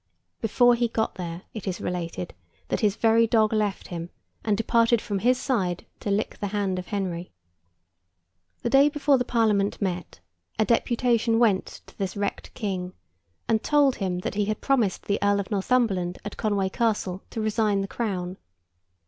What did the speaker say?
Before he got there, it is related, that his very dog left him and departed from his side to lick the hand of Henry. The day before the Parliament met, a deputation went to this wrecked King, and told him that he had promised the Earl of Northumberland at Conway Castle to resign the crown.